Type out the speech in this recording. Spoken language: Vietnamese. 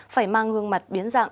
phải mang gương mặt biến dạng